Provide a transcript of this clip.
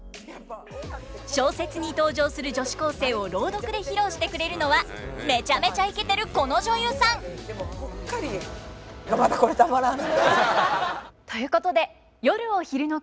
小説に登場する女子高生を朗読で披露してくれるのはめちゃめちゃイケてるこの女優さん。ということで「夜を昼の國」